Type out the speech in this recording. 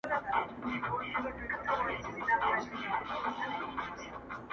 مسیحا چي مي اکسیر جو کړ ته نه وې!!